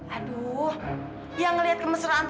aduh yang ngeliat kemesraan taufan itu